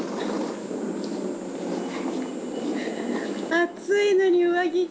暑いのに上着。